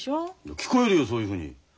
聞こえるよそういうふうに。